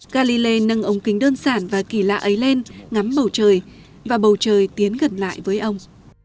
galilei nâng ống kính đơn giản và kỳ lạ ấy lên ngắm bầu trời và bầu trời tiến gần lại với ông